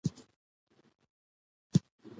په اسلام کښي هرشخصیت د بنده د بنده ګۍ څخه ازاد دي .